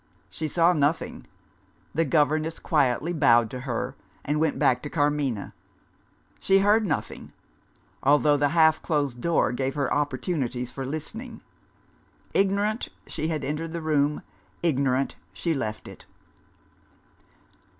She saw nothing: the governess quietly bowed to her, and went back to Carmina. She heard nothing: although the half closed door gave her opportunities for listening. Ignorant, she had entered the room. Ignorant, she left it.